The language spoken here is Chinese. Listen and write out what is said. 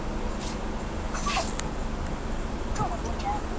阿圭亚尔是巴西帕拉伊巴州的一个市镇。